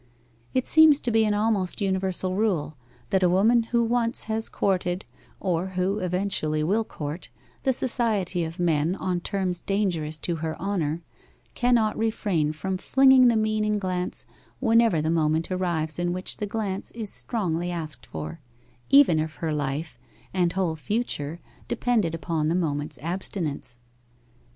It seems to be an almost universal rule that a woman who once has courted, or who eventually will court, the society of men on terms dangerous to her honour cannot refrain from flinging the meaning glance whenever the moment arrives in which the glance is strongly asked for, even if her life and whole future depended upon that moment's abstinence.